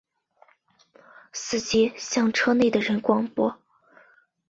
司机向车内的人广播